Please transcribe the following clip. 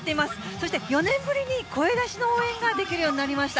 そして４年ぶりに声出しの応援ができるようになりました。